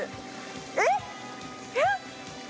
えっ？